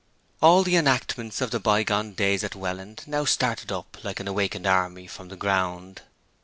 All the enactments of the bygone days at Welland now started up like an awakened army from the ground.